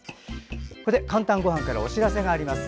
ここで「かんたんごはん」からお知らせがあります。